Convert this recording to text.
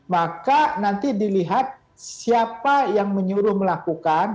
maka nanti dilihat siapa yang menyuruh melakukan